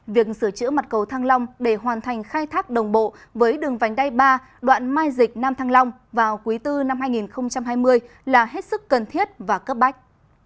việc sửa chữa mặt cầu thăng long để hoàn thành khai thác đồng bộ với đường vành đai ba đoạn mai dịch nam thăng long vào quý bốn năm hai nghìn hai mươi là hết sức cần thiết và cấp bách